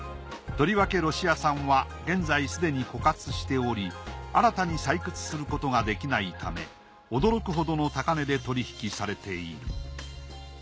とりわけロシア産は現在すでに枯渇しており新たに採掘することができないため驚くほどの高値で取り引きされている。